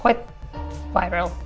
ini tuh eric